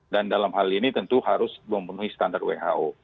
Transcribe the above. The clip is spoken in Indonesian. dan dalam hal ini tentu harus memenuhi standar who